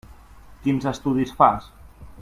Quins estudis fas?